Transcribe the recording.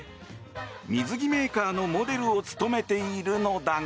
水着メーカーのモデルを務めているのだが。